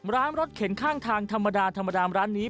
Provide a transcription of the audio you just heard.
ร้านรถเข็นข้างทางธรรมดาธรรมดาร้านนี้